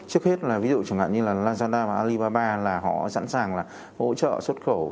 trước hết là ví dụ chẳng hạn như là lazada và alibaba là họ sẵn sàng là hỗ trợ xuất khẩu